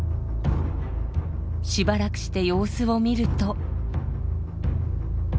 しばらくして様子を見ると。